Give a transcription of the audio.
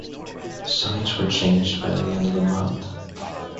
Signs were changed by the end of the month.